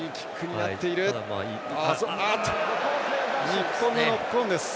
日本のノックオンです。